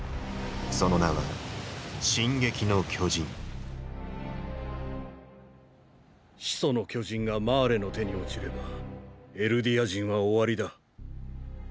その名は「進撃の巨人」ーー「始祖の巨人」がマーレの手に落ちればエルディア人は終わりだ。